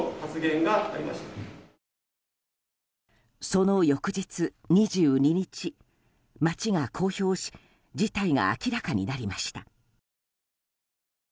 その翌日２２日、町が公表し事態が明らかになりました。